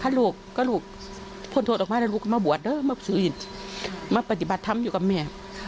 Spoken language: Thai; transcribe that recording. ถ้าลูกก็ลูกพ้นโทษออกมาแล้วลูกก็มาบวชเด้อมาปฏิบัติธรรมอยู่กับแม่